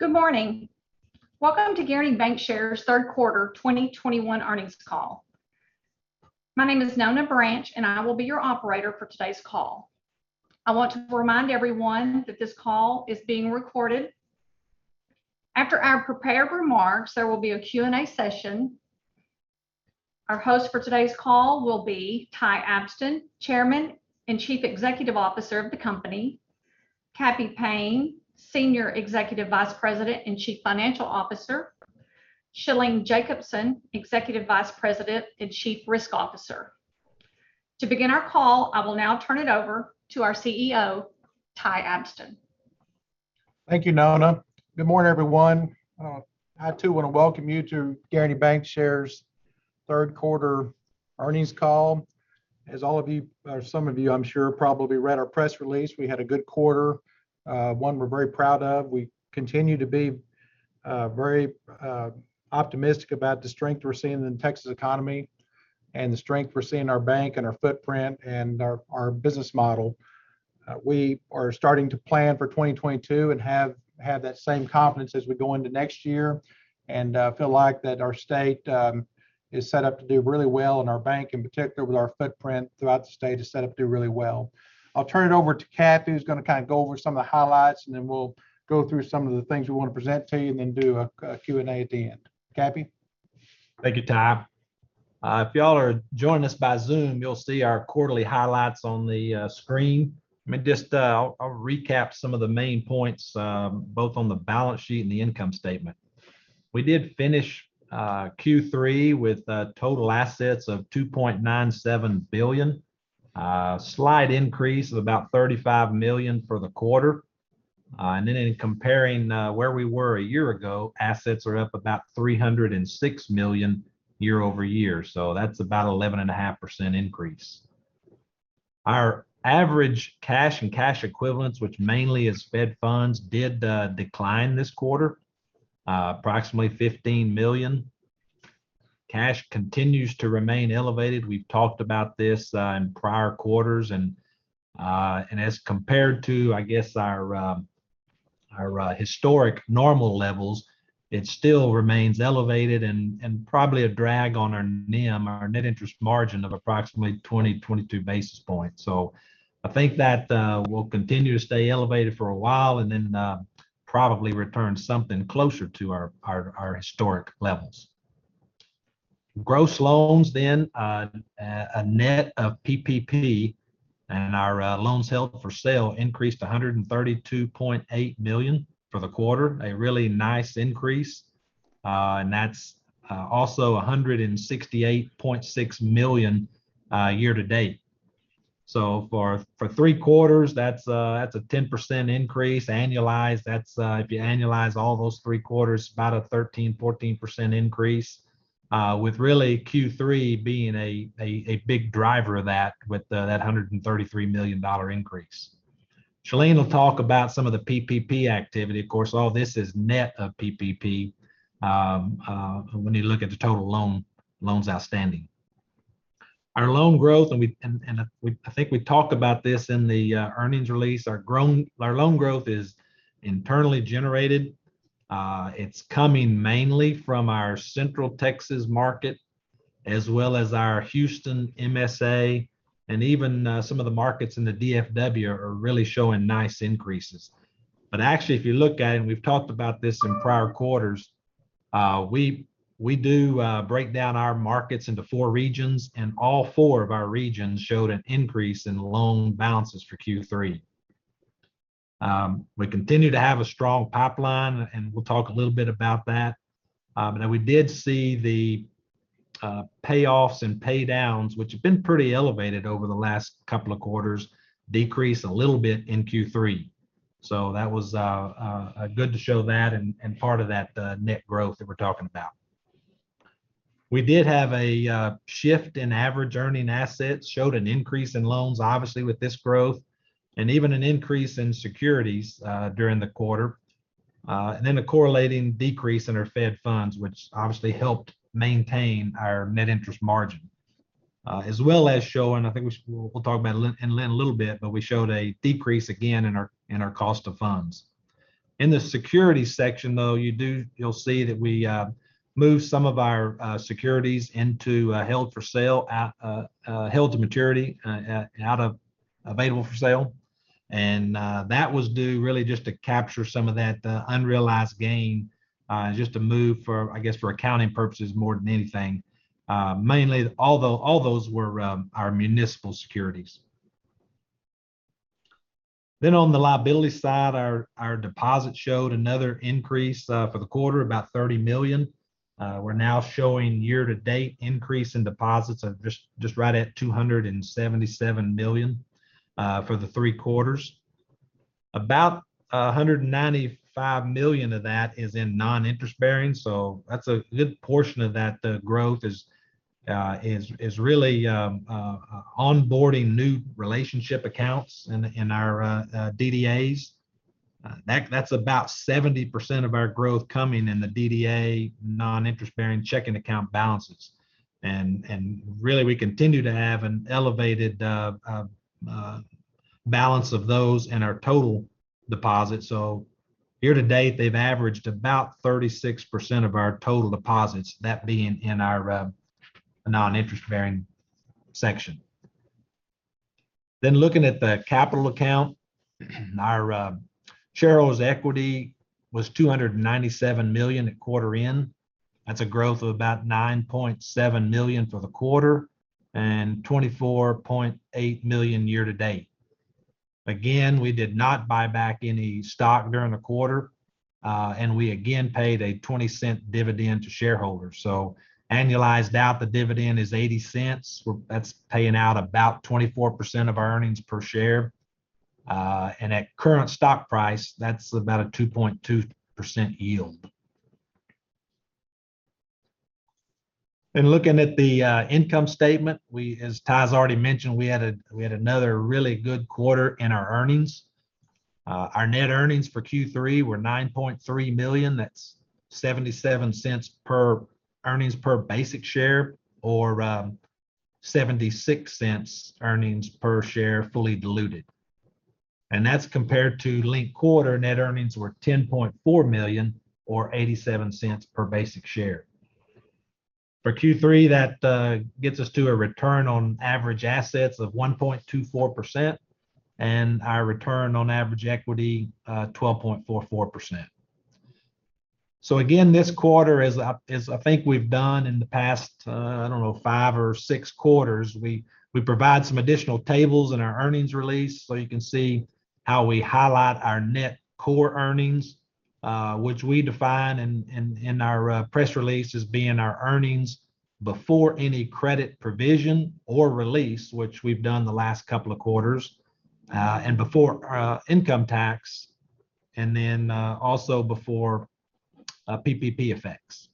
Good morning. Welcome to Guaranty Bancshares' third quarter 2021 earnings call. My name is Nona Branch, and I will be your operator for today's call. I want to remind everyone that this call is being recorded. After our prepared remarks, there will be a Q&A session. Our host for today's call will be Ty Abston, Chairman and Chief Executive Officer of the company, Cappy Payne, Senior Executive Vice President and Chief Financial Officer, Shalene Jacobson, Executive Vice President and Chief Risk Officer. To begin our call, I will now turn it over to our CEO, Ty Abston. Thank you, Nona. Good morning, everyone. I, too, want to welcome you to Guaranty Bancshares' third quarter earnings call. As all of you, or some of you, I'm sure, probably read our press release, we had a good quarter, one we're very proud of. We continue to be very optimistic about the strength we're seeing in the Texas economy and the strength we're seeing in our bank and our footprint and our business model. We are starting to plan for 2022 and have that same confidence as we go into next year. We feel like that our state is set up to do really well, and our bank in particular with our footprint throughout the state, is set up to do really well. I'll turn it over to Cappy, who's going to go over some of the highlights, and then we'll go through some of the things we want to present to you, and then do a Q&A at the end. Cappy? Thank you, Ty. If you all are joining us by Zoom, you'll see our quarterly highlights on the screen. I'll recap some of the main points, both on the balance sheet and the income statement. We did finish Q3 with total assets of $2.97 billion. A slight increase of about $35 million for the quarter. In comparing where we were a year ago, assets are up about $306 million year-over-year. That's about 11.5% increase. Our average cash and cash equivalents, which mainly is Fed funds, did decline this quarter, approximately $15 million. Cash continues to remain elevated. We've talked about this in prior quarters, and as compared to, I guess, our historic normal levels, it still remains elevated and probably a drag on our NIM, our net interest margin, of approximately 20, 22 basis points. I think that will continue to stay elevated for a while, then probably return something closer to our historic levels. Gross loans, then a net of PPP, and our loans held for sale increased $132.8 million for the quarter, a really nice increase. That's also $168.6 million year-to-date. For three quarters, that's a 10% increase annualized. If you annualize all those three quarters, about a 13%-14% increase, with really Q3 being a big driver of that with that $133 million increase. Shalene will talk about some of the PPP activity. Of course, all this is net of PPP when you look at the total loans outstanding. Our loan growth, and I think we talked about this in the earnings release, our loan growth is internally generated. It's coming mainly from our Central Texas market as well as our Houston MSA. Even some of the markets in the DFW are really showing nice increases. Actually, if you look at it, and we've talked about this in prior quarters, we do break down our markets into four regions. All four of our regions showed an increase in loan balances for Q3. We continue to have a strong pipeline. We'll talk a little bit about that. Now, we did see the payoffs and pay downs, which have been pretty elevated over the last couple of quarters, decrease a little bit in Q3. That was good to show that and part of that net growth that we're talking about. We did have a shift in average earning assets, showed an increase in loans, obviously, with this growth, and even an increase in securities during the quarter. A correlating decrease in our Fed funds, which obviously helped maintain our NIM, as well as showing, I think we'll talk about it in length a little bit, but we showed a decrease again in our cost of funds. In the security section, though, you'll see that we moved some of our securities into HTM out of AFS. That was due really just to capture some of that unrealized gain, just a move for, I guess, for accounting purposes more than anything. Mainly, all those were our municipal securities. On the liability side, our deposits showed another increase for the quarter, about $30 million. We're now showing year-to-date increase in deposits of just right at $277 million for the three quarters. About $195 million of that is in non-interest bearing, that's a good portion of that growth is really onboarding new relationship accounts in our DDAs. That's about 70% of our growth coming in the DDA non-interest bearing checking account balances. Really, we continue to have an elevated balance of those and our total deposits. Year-to-date, they've averaged about 36% of our total deposits, that being in our non-interest bearing section. Looking at the capital account, our shareholders' equity was $297 million at quarter-end. That's a growth of about $9.7 million for the quarter and $24.8 million year-to-date. Again, we did not buy back any stock during the quarter, we again paid a $0.20 dividend to shareholders. Annualized out, the dividend is $0.80. That's paying out about 24% of our earnings per share. At current stock price, that's about a 2.2% yield. Looking at the income statement, as Ty's already mentioned, we had another really good quarter in our earnings. Our net earnings for Q3 were $9.3 million. That's $0.77 per earnings per basic share or $0.76 earnings per share fully diluted. That's compared to linked quarter net earnings were $10.4 million or $0.87 per basic share. For Q3, that gets us to a return on average assets of 1.24%, and our return on average equity, 12.44%. Again, this quarter as I think we've done in the past, I don't know, five or six quarters, we provide some additional tables in our earnings release, so you can see how we highlight our net core earnings, which we define in our press release as being our earnings before any credit provision or release, which we've done the last couple of quarters, and before income tax and also before PPP effects.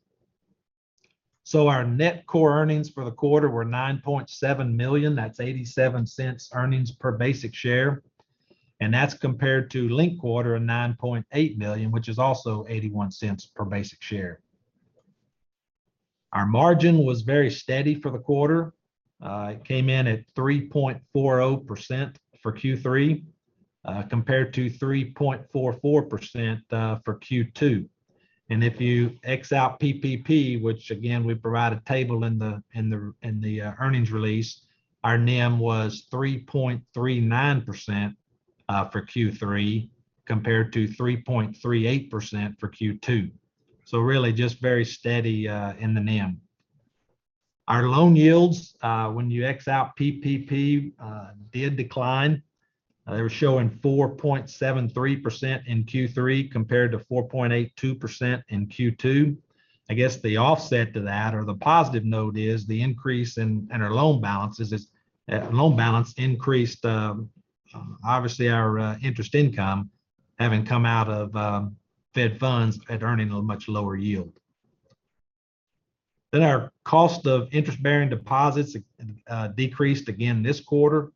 Our net core earnings for the quarter were $9.7 million. That's $0.87 earnings per basic share, and that's compared to linked quarter of $9.8 million, which is also $0.81 per basic share. Our margin was very steady for the quarter. It came in at 3.40% for Q3, compared to 3.44% for Q2. If you X out PPP, which again, we provide a table in the earnings release, our NIM was 3.39% for Q3 compared to 3.38% for Q2. Really just very steady in the NIM. Our loan yields, when you X out PPP, did decline. They were showing 4.73% in Q3 compared to 4.82% in Q2. I guess the offset to that or the positive note is the increase in our loan balances. As loan balance increased, obviously our interest income having come out of Fed funds at earning a much lower yield. Our cost of interest-bearing deposits decreased again this quarter.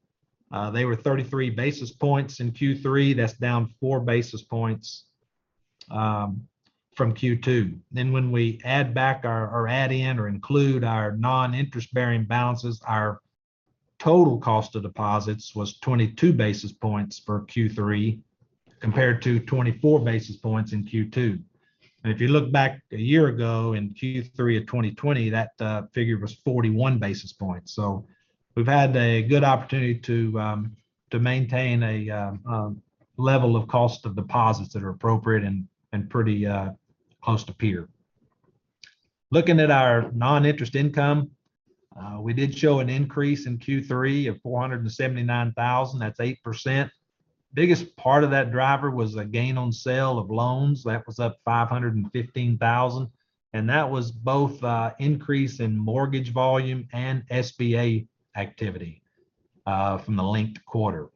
They were 33 basis points in Q3. That's down 4 basis points from Q2. When we add back our add-in or include our non-interest-bearing balances, our total cost of deposits was 22 basis points for Q3, compared to 24 basis points in Q2. If you look back a year ago in Q3 of 2020, that figure was 41 basis points. We've had a good opportunity to maintain a level of cost of deposits that are appropriate and pretty close to peer. Looking at our non-interest income, we did show an increase in Q3 of $479,000. That's 8%. Biggest part of that driver was a gain on sale of loans. That was up $515,000, and that was both increase in mortgage volume and SBA activity from the linked quarter.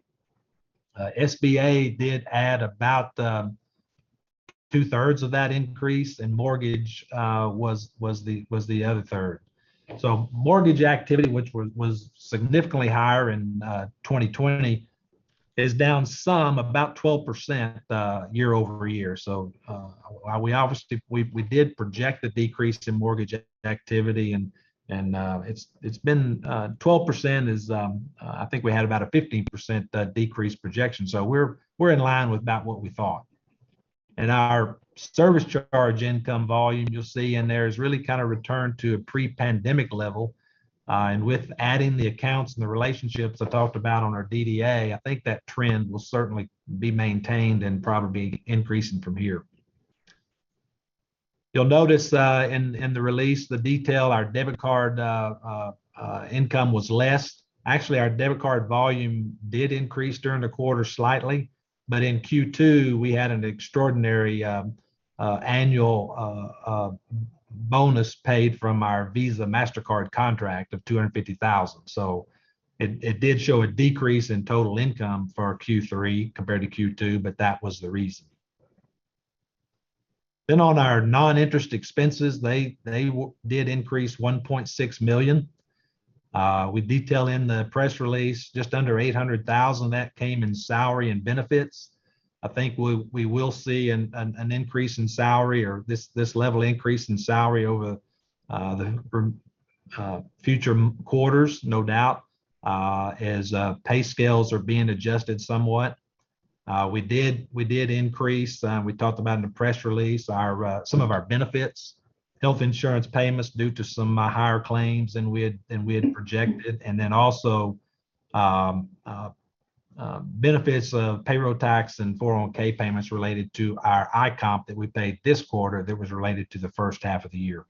SBA did add about two thirds of that increase and mortgage was the other third. Mortgage activity, which was significantly higher in 2020, is down some, about 12% year-over-year. We obviously did project the decrease in mortgage activity, and it's been 12%, I think we had about a 15% decrease projection. We're in line with about what we thought. Our service charge income volume you'll see in there has really kind of returned to a pre-pandemic level. With adding the accounts and the relationships I talked about on our DDA, I think that trend will certainly be maintained and probably increasing from here. You'll notice in the release, the detail, our debit card income was less. Actually, our debit card volume did increase during the quarter slightly, but in Q2, we had an extraordinary annual bonus paid from our Visa Mastercard contract of $250,000. It did show a decrease in total income for Q3 compared to Q2, but that was the reason. On our non-interest expenses, they did increase $1.6 million. We detail in the press release just under $800,000. That came in salary and benefits. I think we will see an increase in salary or this level increase in salary over the future quarters, no doubt, as pay scales are being adjusted somewhat. We did increase, we talked about in the press release some of our benefits. Health insurance payments due to some higher claims than we had projected, and then also benefits of payroll tax and 401 payments related to our I-comp that we paid this quarter that was related to the first half of the year.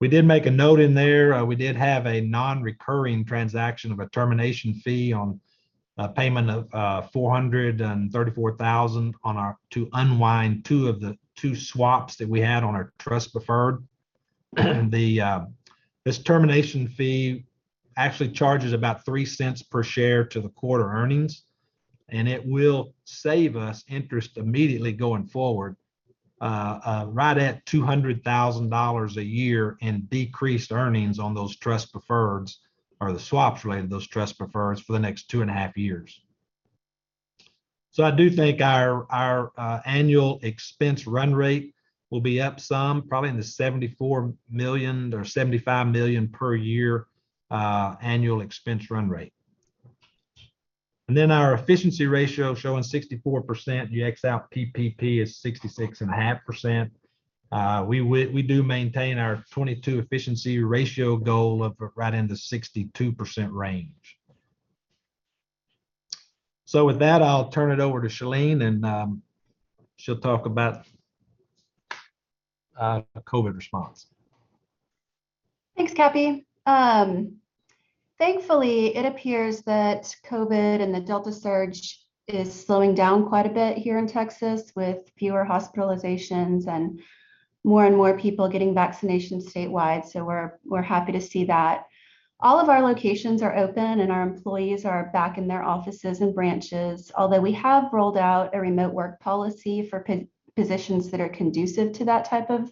We did make a note in there, we did have a non-recurring transaction of a termination fee on a payment of $434,000 to unwind two swaps that we had on our trust preferred. This termination fee actually charges about $0.03 per share to the quarter earnings, and it will save us interest immediately going forward, right at $200,000 a year in decreased earnings on those trust preferreds or the swaps related to those trust preferreds for the next two and a half years. I do think our annual expense run rate will be up some, probably in the $74 million or $75 million per year annual expense run rate. Then our efficiency ratio showing 64%, you X out PPP is 66.5%. We do maintain our 2022 efficiency ratio goal of right in the 62% range. With that, I'll turn it over to Shalene, and she'll talk about our COVID response. Thanks, Cappy Payne. Thankfully, it appears that COVID and the Delta variant is slowing down quite a bit here in Texas, with fewer hospitalizations and more and more people getting vaccinations statewide. We're happy to see that. All of our locations are open, and our employees are back in their offices and branches, although we have rolled out a remote work policy for positions that are conducive to that type of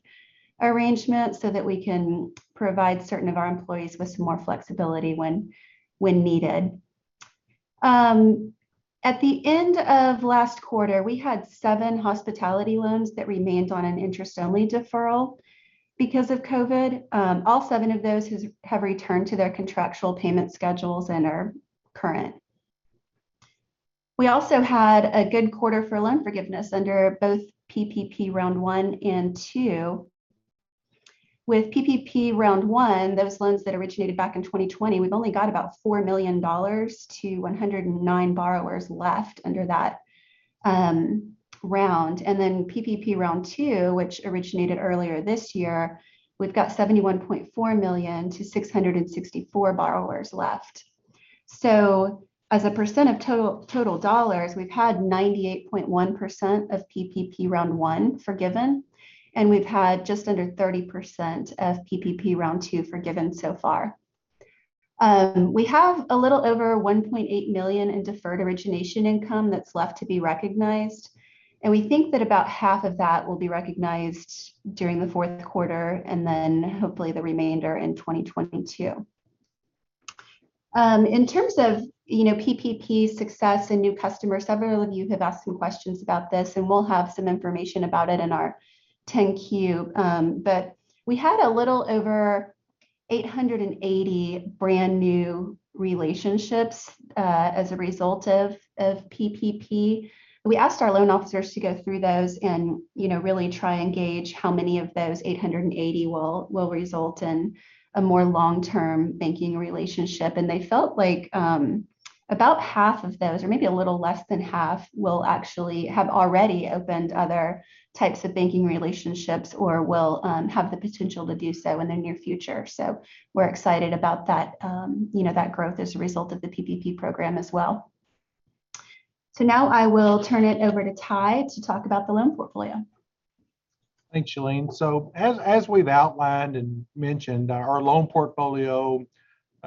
arrangement, so that we can provide certain of our employees with some more flexibility when needed. At the end of last quarter, we had seven hospitality loans that remained on an interest-only deferral because of COVID. All seven of those have returned to their contractual payment schedules and are current. We also had a good quarter for loan forgiveness under both PPP Round 1 and PPP Round 2. With PPP Round 1, those loans that originated back in 2020, we've only got about $4 million to 109 borrowers left under that round. PPP Round 2, which originated earlier this year, we've got $71.4 million to 664 borrowers left. As a percent of total dollars, we've had 98.1% of PPP Round 1 forgiven, and we've had just under 30% of PPP Round 2 forgiven so far. We have a little over $1.8 million in deferred origination income that's left to be recognized, and we think that about half of that will be recognized during the fourth quarter, and hopefully the remainder in 2022. In terms of PPP success and new customers, several of you have asked some questions about this, and we'll have some information about it in our 10-Q. We had a little over 880 brand-new relationships as a result of PPP. We asked our loan officers to go through those and really try and gauge how many of those 880 will result in a more long-term banking relationship. They felt like about half of those, or maybe a little less than half, have already opened other types of banking relationships or will have the potential to do so in the near future. We're excited about that growth as a result of the PPP program as well. Now I will turn it over to Ty to talk about the loan portfolio. Thanks, Shalene. As we've outlined and mentioned, our loan portfolio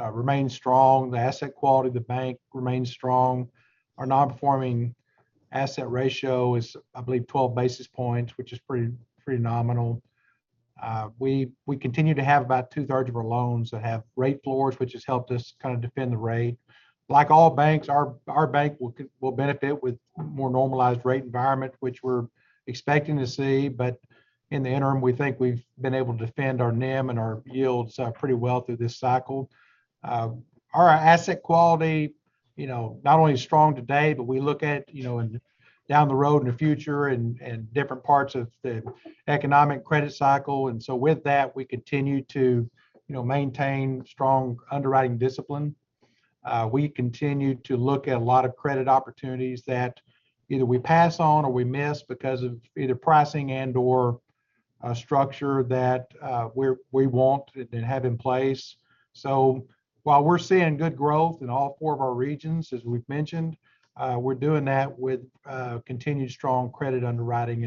remains strong. The asset quality of the bank remains strong. Our non-performing asset ratio is, I believe, 12 basis points, which is pretty nominal. We continue to have about two-thirds of our loans that have rate floors, which has helped us kind of defend the rate. Like all banks, our bank will benefit with a more normalized rate environment, which we're expecting to see. In the interim, we think we've been able to defend our NIM and our yields pretty well through this cycle. Our asset quality, not only is strong today, but we look at down the road in the future and different parts of the economic credit cycle. With that, we continue to maintain strong underwriting discipline. We continue to look at a lot of credit opportunities that either we pass on or we miss because of either pricing and/or structure that we want and have in place. While we're seeing good growth in all four of our regions, as we've mentioned, we're doing that with continued strong credit underwriting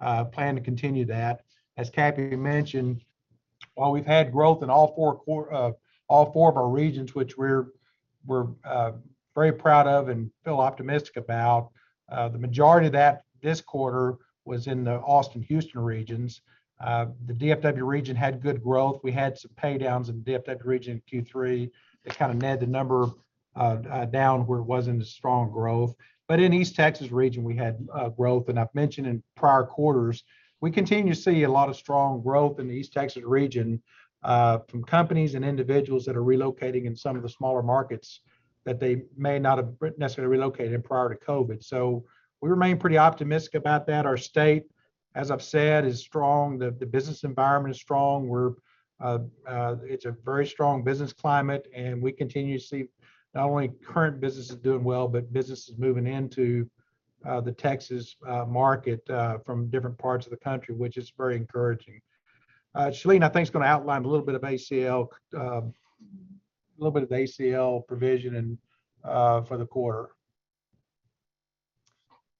and plan to continue that. As Cappy Payne mentioned. While we've had growth in all four of our regions, which we're very proud of and feel optimistic about, the majority of that this quarter was in the Austin/Houston regions. The DFW region had good growth. We had some pay-downs in DFW region in Q3 that kind of netted the number down where it wasn't as strong growth. In East Texas region, we had growth. I've mentioned in prior quarters, we continue to see a lot of strong growth in the East Texas region from companies and individuals that are relocating in some of the smaller markets that they may not have necessarily relocated in prior to COVID. We remain pretty optimistic about that. Our state, as I've said, is strong. The business environment is strong. It's a very strong business climate, and we continue to see not only current businesses doing well, but businesses moving into the Texas market from different parts of the country, which is very encouraging. Shalene, I think, is going to outline a little bit of ACL provision for the quarter.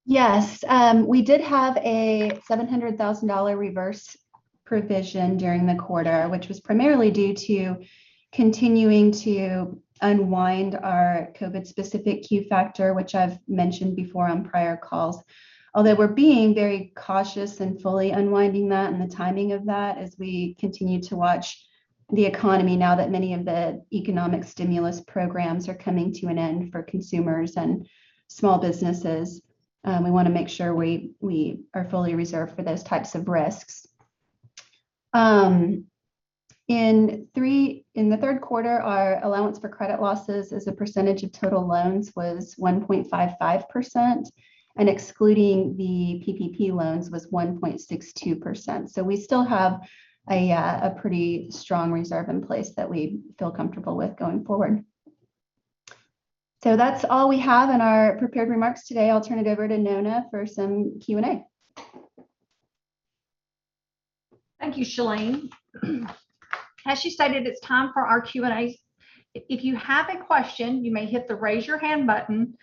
Yes. We did have a $700,000 reverse provision during the quarter, which was primarily due to continuing to unwind our COVID-specific Q-Factor, which I've mentioned before on prior calls. Although we're being very cautious in fully unwinding that and the timing of that as we continue to watch the economy now that many of the economic stimulus programs are coming to an end for consumers and small businesses. We want to make sure we are fully reserved for those types of risks. In the third quarter, our allowance for credit losses as a percentage of total loans was 1.55%, and excluding the PPP loans was 1.62%. We still have a pretty strong reserve in place that we feel comfortable with going forward. That's all we have in our prepared remarks today. I'll turn it over to Nona for some Q&A. Thank you, Shalene. As she stated, it's time for our Q&A. If you have a question, you may hit the Raise Your Hand button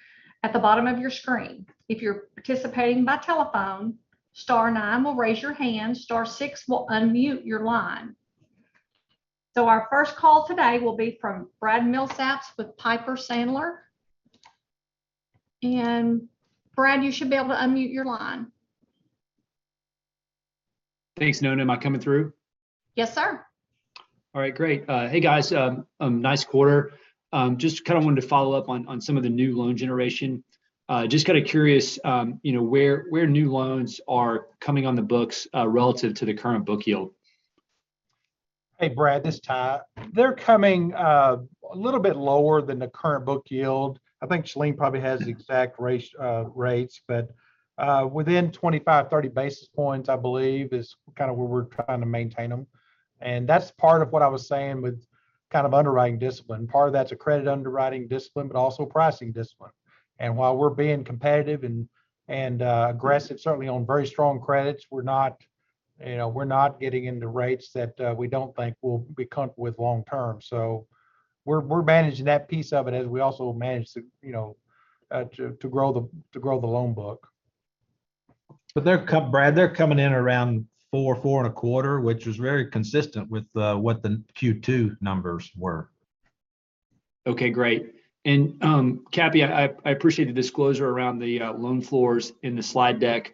at the bottom of your screen. If you're participating by telephone, star nine will raise your hand, star six will unmute your line. Our first call today will be from Brad Milsaps with Piper Sandler. Brad, you should be able to unmute your line. Thanks, Nona. Am I coming through? Yes, sir. All right, great. Hey, guys. Nice quarter. Just kind of wanted to follow up on some of the new loan generation. Just kind of curious where new loans are coming on the books relative to the current book yield. Hey, Brad Milsaps, this is Ty Abston. They're coming a little bit lower than the current book yield. I think Shalene Jacobson probably has the exact rates, but within 25, 30 basis points, I believe, is kind of where we're trying to maintain them. That's part of what I was saying with kind of underwriting discipline. Part of that's a credit underwriting discipline, but also pricing discipline. While we're being competitive and aggressive certainly on very strong credits, we're not getting into rates that we don't think we'll be comfortable with long term. We're managing that piece of it as we also manage to grow the loan book. Brad Milsaps, they're coming in around four and a quarter, which is very consistent with what the Q2 numbers were. Okay, great. Cappy, I appreciate the disclosure around the loan floors in the slide deck.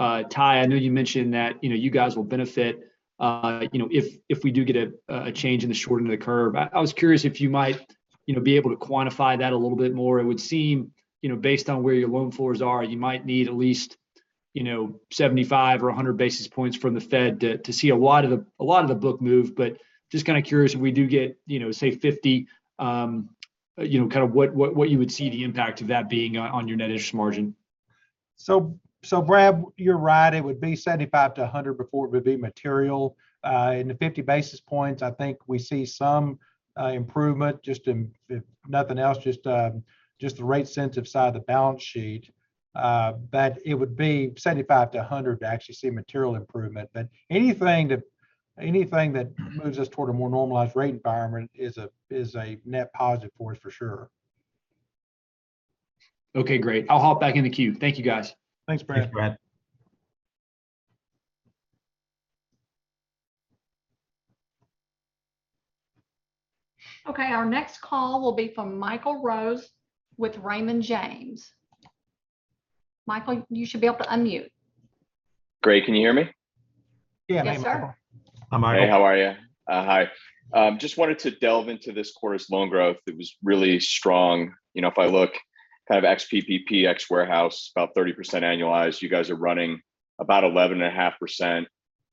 Ty, I know you mentioned that you guys will benefit if we do get a change in the shortening of the curve. I was curious if you might be able to quantify that a little bit more. It would seem based on where your loan floors are, you might need at least 75 or 100 basis points from the Fed to see a lot of the book move, but just kind of curious if we do get, say 50, kind of what you would see the impact of that being on your net interest margin. Brad, you're right. It would be 75-100 before it would be material. In the 50 basis points, I think we see some improvement just in, if nothing else, just the rate sensitive side of the balance sheet. It would be 75-100 to actually see material improvement. Anything that moves us toward a more normalized rate environment is a net positive for us, for sure. Okay, great. I'll hop back in the queue. Thank you, guys. Thanks, Brad. Thanks, Brad. Our next call will be from Michael Rose with Raymond James. Michael, you should be able to unmute. Great. Can you hear me? Yeah. Yes, sir. Hi, Michael. How are you? Hi. Wanted to delve into this quarter's loan growth. It was really strong. If I look ex PPP, ex warehouse, about 30% annualized. You guys are running about 11.5%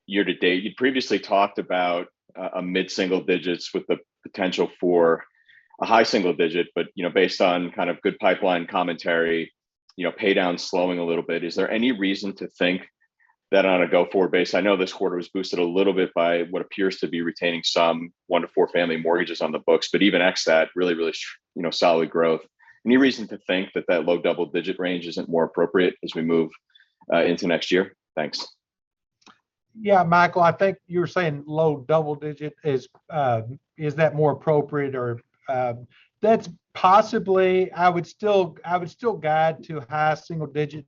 year to date. You'd previously talked about a mid-single digits with the potential for a high single digit, based on good pipeline commentary, pay-down slowing a little bit, is there any reason to think that on a go-forward base, I know this quarter was boosted a little bit by what appears to be retaining some one to four family mortgages on the books, even ex that, really solid growth. Any reason to think that that low double-digit range isn't more appropriate as we move into next year? Thanks. Yeah, Michael, I think you were saying low double digit. Is that more appropriate or? That's possibly, I would still guide to high single digit,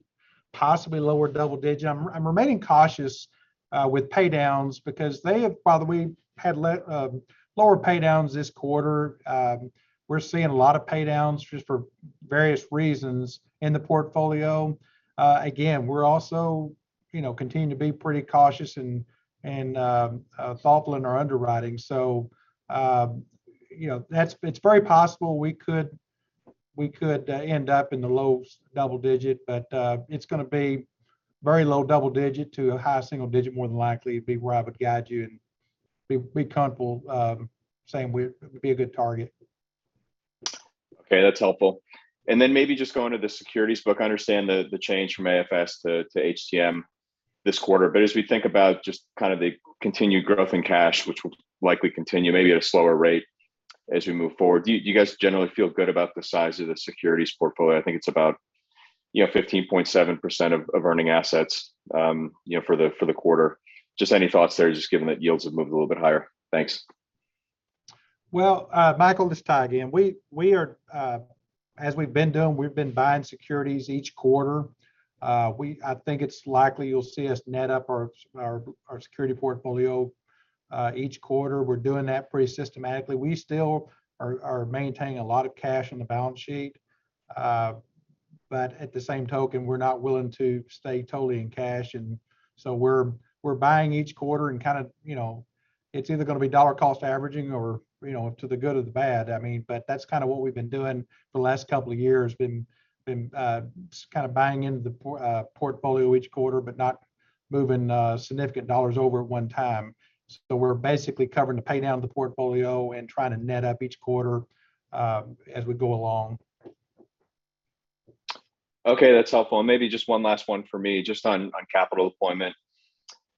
possibly lower double digit. I'm remaining cautious with pay-downs because they have, by the way, had lower pay-downs this quarter. We're seeing a lot of pay-downs just for various reasons in the portfolio. Again, we're also continue to be pretty cautious and thoughtful in our underwriting. It's very possible we could end up in the low double digit, but it's going to be very low double digit to a high single digit, more than likely, be where I would guide you, and be comfortable saying it would be a good target. Okay, that's helpful. Then maybe just going to the securities book, I understand the change from AFS to HTM this quarter. As we think about just kind of the continued growth in cash, which will likely continue maybe at a slower rate as we move forward. Do you guys generally feel good about the size of the securities portfolio? I think it's about 15.7% of earning assets for the quarter. Just any thoughts there, just given that yields have moved a little bit higher. Thanks. Well, Michael, this is Ty again. As we've been doing, we've been buying securities each quarter. I think it's likely you'll see us net up our security portfolio each quarter. We're doing that pretty systematically. We still are maintaining a lot of cash on the balance sheet. At the same token, we're not willing to stay totally in cash, we're buying each quarter and kind of it's either going to be dollar cost averaging or to the good or the bad. That's kind of what we've been doing for the last couple of years, been kind of buying into the portfolio each quarter, but not moving significant dollars over at one time. We're basically covering the pay down of the portfolio and trying to net up each quarter as we go along. Okay, that's helpful. Maybe just 1 last one from me just on capital deployment.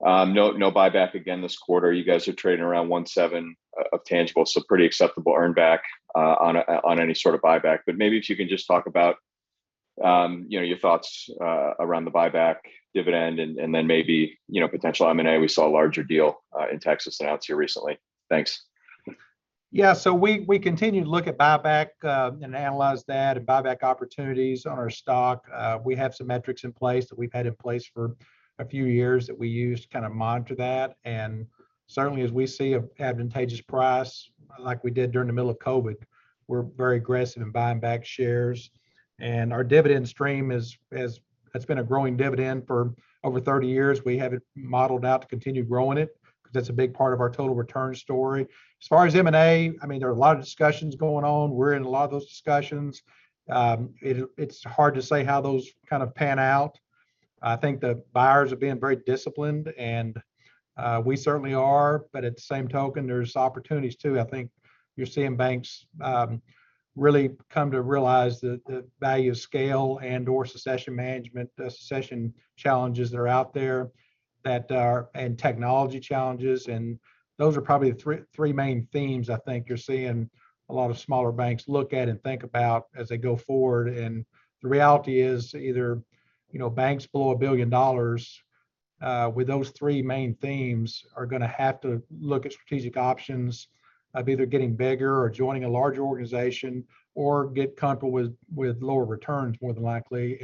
No buyback again this quarter. You guys are trading around 1.7 of tangible, so pretty acceptable earn back on any sort of buyback. Maybe if you can just talk about your thoughts around the buyback dividend and then maybe potential M&A. We saw a larger deal in Texas announced here recently. Thanks. We continue to look at buyback and analyze that and buyback opportunities on our stock. We have some metrics in place that we've had in place for a few years that we use to kind of monitor that. Certainly as we see advantageous price, like we did during the middle of COVID, we're very aggressive in buying back shares. Our dividend stream it's been a growing dividend for over 30 years. We have it modeled out to continue growing it because that's a big part of our total return story. As far as M&A, there are a lot of discussions going on. We're in a lot of those discussions. It's hard to say how those kind of pan out. I think the buyers are being very disciplined and we certainly are. At the same token, there's opportunities too. I think you're seeing banks really come to realize that the value of scale and or succession management, the succession challenges that are out there that are, and technology challenges, and those are probably the three main themes I think you're seeing a lot of smaller banks look at and think about as they go forward. The reality is either banks below $1 billion with those three main themes are going to have to look at strategic options of either getting bigger or joining a larger organization or get comfortable with lower returns, more than likely.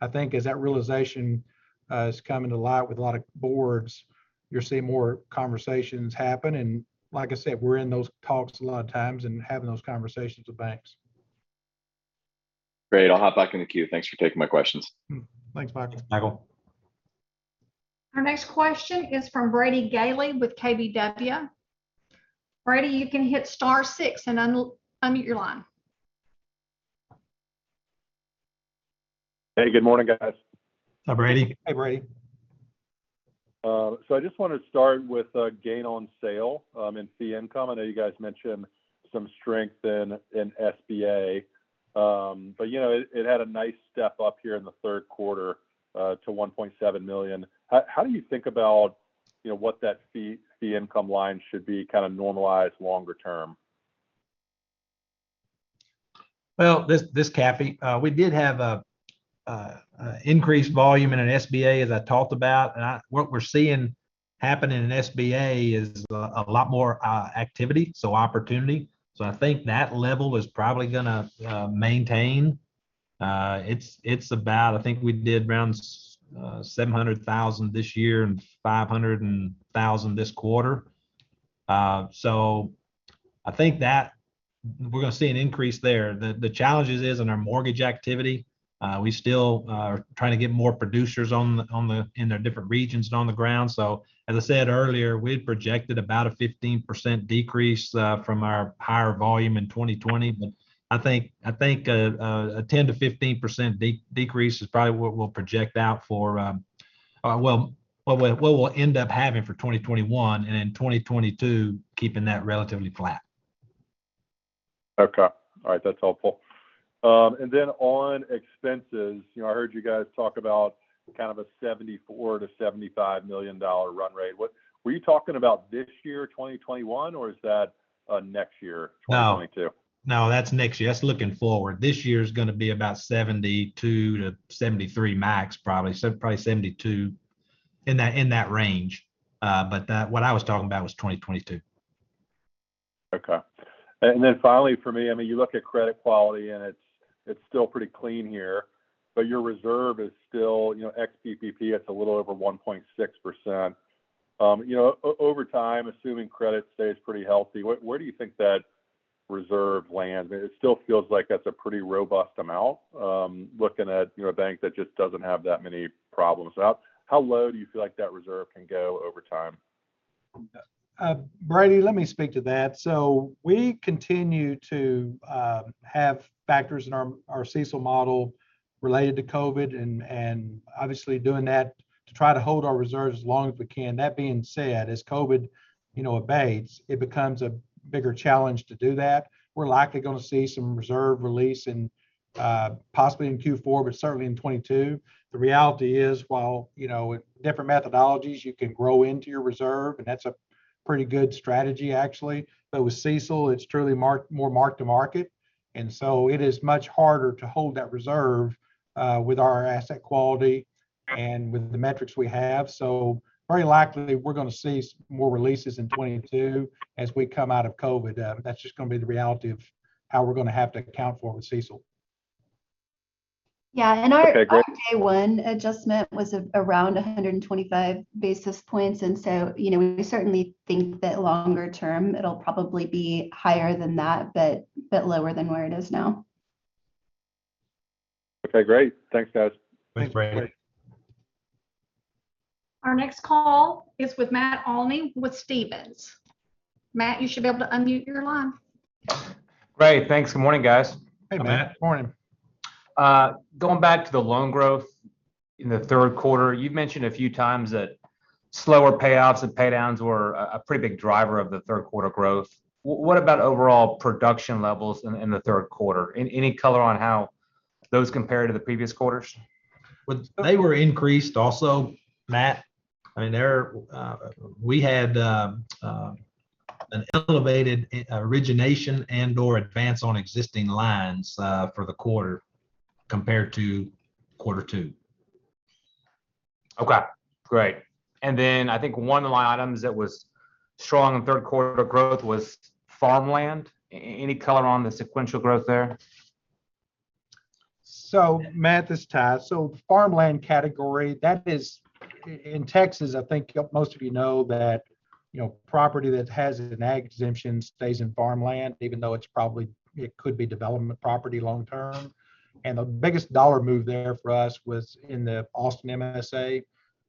I think as that realization is coming to light with a lot of boards, you're seeing more conversations happen, and like I said, we're in those talks a lot of times and having those conversations with banks. Great. I'll hop back in the queue. Thanks for taking my questions. Thanks, Michael. Our next question is from Brady Gailey with KBW. Brady, you can hit star six and unmute your line. Hey, good morning, guys. Hi, Brady. I just want to start with gain on sale in fee income. I know you guys mentioned some strength in SBA. It had a nice step up here in the third quarter to $1.7 million. How do you think about what that fee income line should be kind of normalized longer term? Well, this is Cappy. We did have increased volume in an SBA, as I talked about. What we're seeing happen in an SBA is a lot more activity, so opportunity. I think that level is probably going to maintain. It's about, I think we did around $700,000 this year and $500,000 this quarter. I think that we're going to see an increase there. The challenge is in our mortgage activity. We still are trying to get more producers in their different regions and on the ground. As I said earlier, we had projected about a 15% decrease from our higher volume in 2020. I think a 10%-15% decrease is probably what we'll project out for, what we'll end up having for 2021, and in 2022, keeping that relatively flat. Okay. All right. That's helpful. On expenses, I heard you guys talk about kind of a $74 million-$75 million run rate. Were you talking about this year, 2021, or is that next year, 2022? That's next year. That's looking forward. This year's going to be about $72 million-$73 million max, probably. So probably $72 million, in that range. What I was talking about was 2022. Okay. Finally from me, you look at credit quality, and it's still pretty clean here, but your reserve is still ex-PPP, it's a little over 1.6%. Over time, assuming credit stays pretty healthy, where do you think that reserve will land? It still feels like that's a pretty robust amount, looking at a bank that just doesn't have that many problems. How low do you feel like that reserve can go over time? Brady Gailey, let me speak to that. We continue to have factors in our CECL model related to COVID, and obviously doing that to try to hold our reserves as long as we can. That being said, as COVID abates, it becomes a bigger challenge to do that. We're likely going to see some reserve release, possibly in Q4, but certainly in 2022. The reality is while, different methodologies, you can grow into your reserve, and that's a pretty good strategy, actually. With CECL, it's truly more mark-to-market. It is much harder to hold that reserve with our asset quality and with the metrics we have. Very likely we're going to see more releases in 2022 as we come out of COVID. That's just going to be the reality of how we're going to have to account for it with CECL. Yeah. Okay, great. Day One adjustment was around 125 basis points. We certainly think that longer term it'll probably be higher than that, but lower than where it is now. Okay, great. Thanks, guys. Thanks, Brady. Our next call is with Matt Olney with Stephens. Matt, you should be able to unmute your line. Great. Thanks. Good morning, guys. Hey, Matt. Morning. Going back to the loan growth in the third quarter, you've mentioned a few times that slower payouts and pay downs were a pretty big driver of the third quarter growth. What about overall production levels in the third quarter? Any color on how those compare to the previous quarters? They were increased also, Matt. We had an elevated origination and/or advance on existing lines for the quarter compared to quarter 2. Okay, great. I think one of the line items that was strong in third quarter growth was farmland. Any color on the sequential growth there? Matt, this is Ty. Farmland category, in Texas, I think most of you know that property that has an ag exemption stays in farmland, even though it could be development property long term. The biggest dollar move there for us was in the Austin MSA.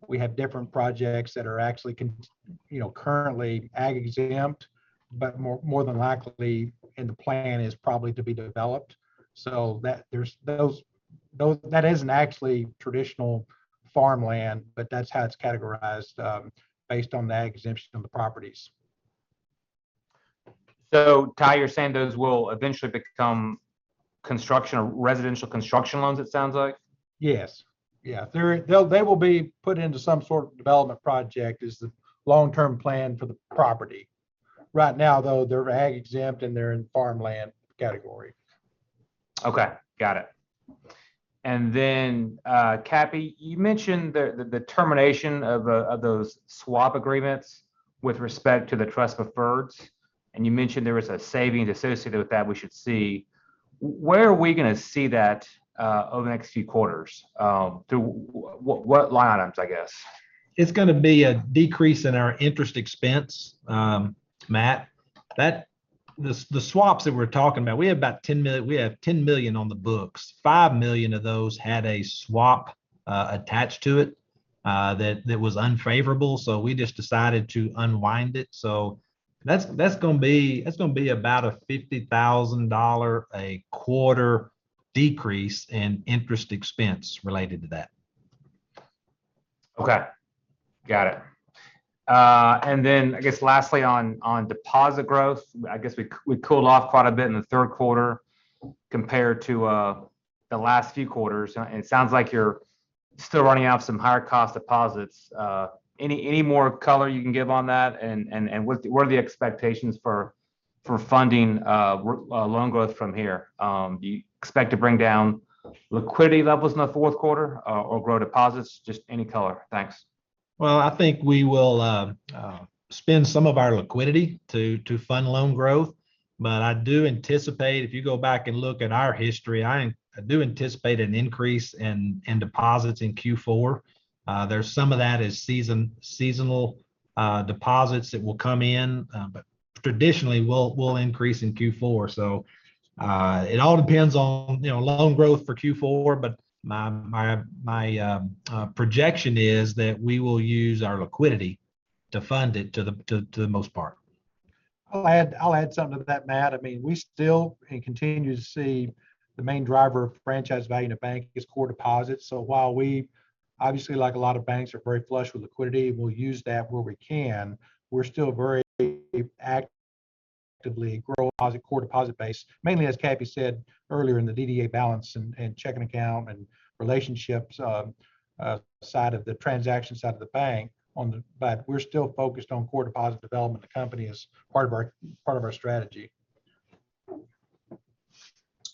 We have different projects that are actually currently ag exempt, but more than likely, and the plan is probably to be developed. That isn't actually traditional farmland, but that's how it's categorized based on the ag exemption of the properties. Ty, you're saying those will eventually become residential construction loans, it sounds like? Yes. They will be put into some sort of development project, is the long-term plan for the property. Right now, though, they're ag exempt, and they're in farmland category. Okay, got it. Cappy, you mentioned the termination of those swap agreements with respect to the trust preferreds, and you mentioned there was a saving associated with that we should see. Where are we going to see that over the next few quarters? Through what line items, I guess? It's going to be a decrease in our interest expense, Matt. The swaps that we're talking about, we have $10 million on the books. $5 million of those had a swap attached to it that was unfavorable, so we just decided to unwind it. That's going to be about a $50,000 a quarter decrease in interest expense related to that. Okay, got it. Lastly on deposit growth, I guess we cooled off quite a bit in the third quarter compared to the last few quarters, and it sounds like you're still running out some higher cost deposits. Any more color you can give on that, and what are the expectations for funding loan growth from here? Do you expect to bring down liquidity levels in the fourth quarter or grow deposits? Just any color. Thanks. Well, I think we will spend some of our liquidity to fund loan growth. I do anticipate if you go back and look at our history, I do anticipate an increase in deposits in Q4. Some of that is seasonal deposits that will come in. Traditionally, we'll increase in Q4. It all depends on loan growth for Q4, but my projection is that we will use our liquidity to fund it to the most part. I'll add something to that, Matt. We still and continue to see the main driver of franchise value in a bank is core deposits. While we, obviously like a lot of banks, are very flush with liquidity and we'll use that where we can, we're still very actively grow our core deposit base, mainly as Cappy said earlier in the DDA balance and checking account and relationships side of the transaction side of the bank. We're still focused on core deposit development of the company as part of our strategy.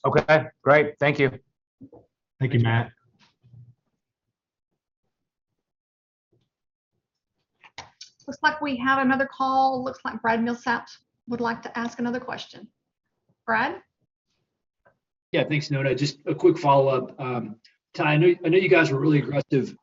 Okay, great. Thank you. Thank you, Matt. Looks like we have another call. Looks like Brad Milsaps would like to ask another question. Brad? Thanks, Nona. Just a quick follow-up. Ty, I know you guys were really aggressive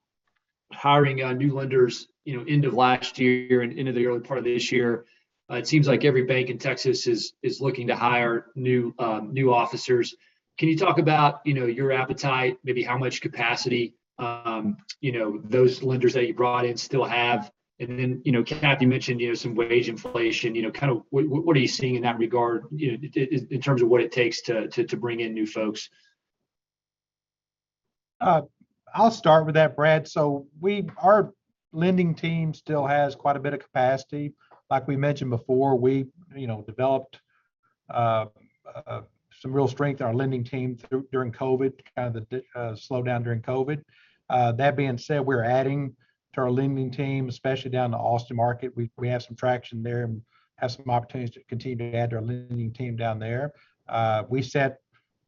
hiring new lenders end of last year and into the early part of this year. It seems like every bank in Texas is looking to hire new officers. Can you talk about your appetite, maybe how much capacity those lenders that you brought in still have? Cappy mentioned some wage inflation. What are you seeing in that regard in terms of what it takes to bring in new folks? I'll start with that, Brad. Our lending team still has quite a bit of capacity. Like we mentioned before, we developed some real strength in our lending team during COVID, kind of the slowdown during COVID. That being said, we're adding to our lending team, especially down in the Austin market. We have some traction there and have some opportunities to continue to add to our lending team down there. We set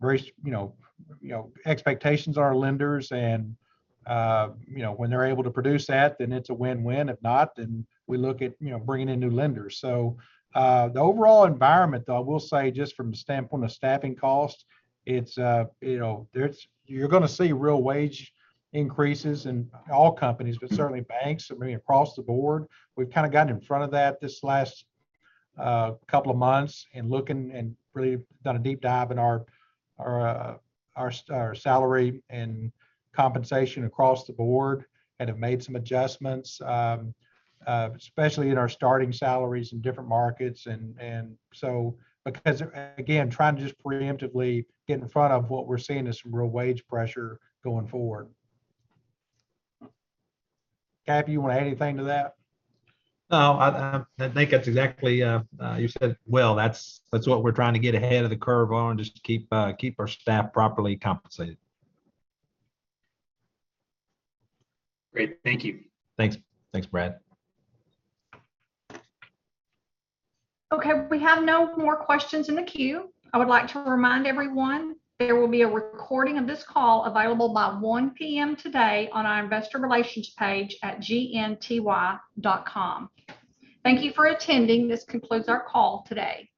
very strict expectations on our lenders, and when they're able to produce that, then it's a win-win. If not, then we look at bringing in new lenders. The overall environment, though, we'll say just from the standpoint of staffing cost, you're going to see real wage increases in all companies, but certainly banks, I mean, across the board. We've kind of gotten in front of that this last two months and really done a deep dive in our salary and compensation across the board and have made some adjustments, especially in our starting salaries in different markets. Because, again, trying to just preemptively get in front of what we're seeing as some real wage pressure going forward. Cappy, you want to add anything to that? No, I think that's exactly, you said well. That's what we're trying to get ahead of the curve on, just to keep our staff properly compensated. Great. Thank you. Thanks. Thanks, Brad. Okay, we have no more questions in the queue. I would like to remind everyone there will be a recording of this call available by 1:00 P.M. today on our investor relations page at gnty.com. Thank you for attending. This concludes our call today.